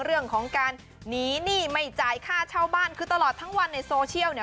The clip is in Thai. เรื่องของการหนีหนี้ไม่จ่ายค่าเช่าบ้านคือตลอดทั้งวันในโซเชียลเนี่ย